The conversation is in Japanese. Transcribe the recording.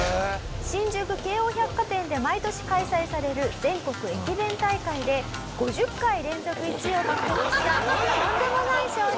新宿京王百貨店で毎年開催される全国駅弁大会で５０回連続１位を獲得したとんでもない商品。